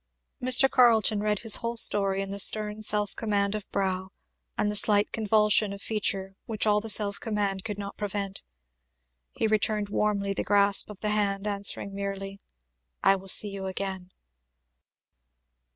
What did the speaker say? Mr. Carleton read his whole story in the stern self command of brow, and the slight convulsion of feature which all the self command could not prevent. He returned warmly the grasp of the hand answering merely, "I will see you again."